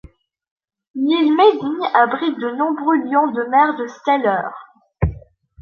L'île Medny abrite de nombreux lions de mer de Steller.